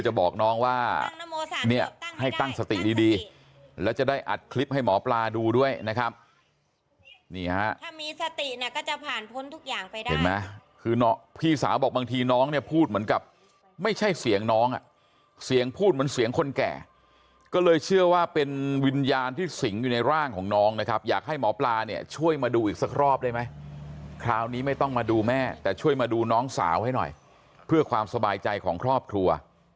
ถ้ามีสติเนี่ยก็จะผ่านพ้นทุกอย่างไปได้นะคือพี่สาวบอกบางทีน้องเนี่ยพูดเหมือนกับไม่ใช่เสียงน้องอ่ะเสียงพูดเหมือนเสียงคนแก่ก็เลยเชื่อว่าเป็นวิญญาณที่สิ่งอยู่ในร่างของน้องนะครับอยากให้หมอปลาเนี่ยช่วยมาดูอีกสักครอบได้ไหมคราวนี้ไม่ต้องมาดูแม่แต่ช่วยมาดูน้องสาวให้หน่อยเพื่อความสบายใจของครอบครัว